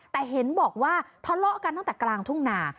แต่เห็นบอกว่าทะเลาะกันตั้งแต่กลางทุ่งนา